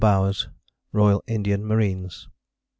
Bowers, Royal Indian Marines.